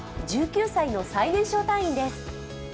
１９歳の最年少隊員です。